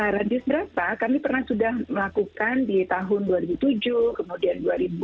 radius berapa kami pernah sudah melakukan di tahun dua ribu tujuh kemudian dua ribu lima belas dua ribu delapan belas